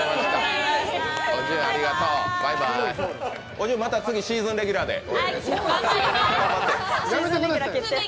おじゅん、また次、シーズンレギュラーで頑張って。